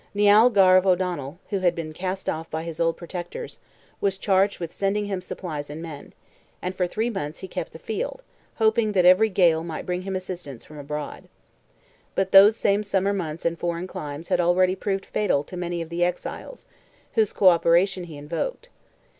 Nial Garve O'Donnell, who had been cast off by his old protectors, was charged with sending him supplies and men, and for three months he kept the field, hoping that every gale might bring him assistance from abroad. But those same summer months and foreign climes had already proved fatal to many of the exiles, whose co operation he invoked.